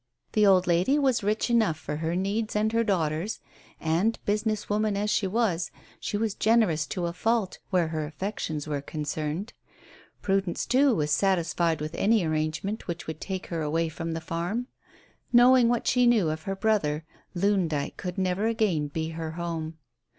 The old lady was rich enough for her needs and her daughter's, and, business woman as she was, she was generous to a fault where her affections were concerned. Prudence too was satisfied with any arrangement which would take her away from the farm. Knowing what she knew of her brother, Loon Dyke could never again be her home.